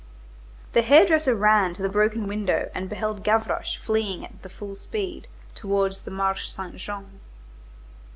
The hair dresser ran to the broken window and beheld Gavroche fleeing at the full speed, towards the Marché Saint Jean.